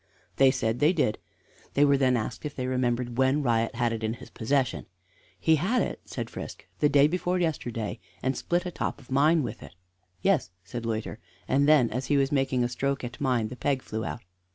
They said they did. They were then asked if they remembered when Riot had it in his possession. "He had it," said Frisk, "the day before yesterday, and split a top of mine with it." "Yes," said Loiter, "and then as he was making a stroke at mine the peg flew out."